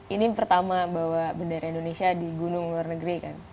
ini pertama bawa bendera indonesia di gunung luar negeri kan